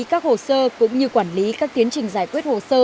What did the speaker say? các hồ sơ cũng như quản lý các tiến trình giải quyết hồ sơ